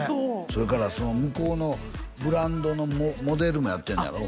それから向こうのブランドのモデルもやってんねやろ？